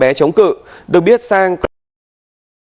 bé chống cự được biết sang có hành vi sàm sỡ để thực hiện hành vi sàm sỡ